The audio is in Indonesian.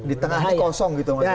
di tengahnya kosong gitu maksudnya